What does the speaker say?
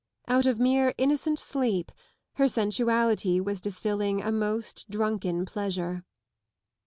Out of mere innocent sleep her sensuality was distilling a most drunken pleasure.